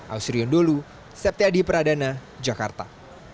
ausriyondolu septiadi pradana jakarta